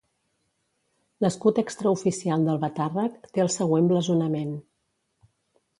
L'escut extraoficial d'Albatàrrec té el següent blasonament.